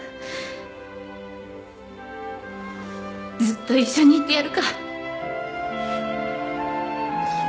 ずっと一緒にいてやるか。